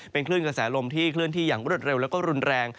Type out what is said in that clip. เป็นคลื่นกระแสลมที่เคลื่อนที่อย่างรวดเร็วแล้วก็รุนแรง